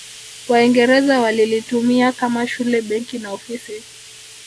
Waingereza walilitumia kama shule benki na ofisi